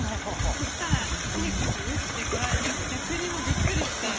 そしたら一力先生打ってこられたので逆にもうびっくりして。